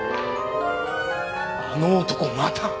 あの男また！